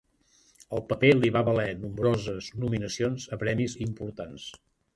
El paper li va valer nombroses nominacions a premis importants.